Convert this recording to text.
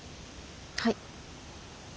はい。